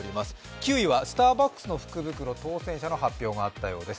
９位はスターバックスの福袋当選者の発表があったようです。